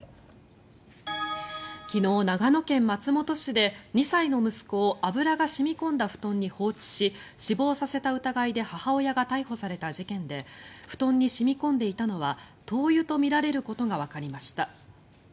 昨日、長野県松本市で２歳の息子を油が染み込んだ布団に放置し死亡させた疑いで母親が逮捕された事件で布団に染み込んでいたのは灯油とみられることがわかりました。